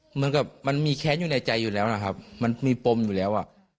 เหมือนกับมันมีแค้นอยู่ในใจอยู่แล้วนะครับมันมีปมอยู่แล้วอ่ะ